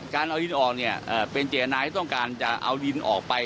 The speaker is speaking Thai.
การเอาดินออกเนี่ยเป็นเจตนาที่ต้องการจะเอาดินออกไป